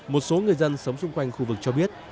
một số người dân sống xung quanh khu vực cho biết